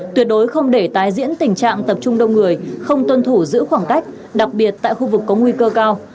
tuyệt đối không để tái diễn tình trạng tập trung đông người không tuân thủ giữ khoảng cách đặc biệt tại khu vực có nguy cơ cao